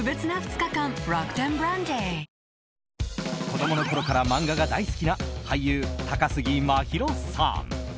子供のころから漫画が大好きな俳優、高杉真宙さん。